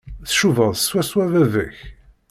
Tcubaḍ swaswa baba-k.